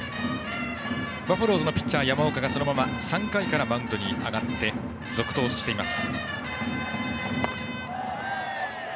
バファローズのピッチャー山岡が３回からマウンドに上がって続投しています。